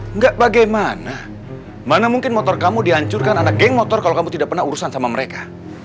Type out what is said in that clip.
enggak bagaimana mana mungkin motor kamu dihancurkan anak geng motor kalau kamu tidak pernah urusan sama mereka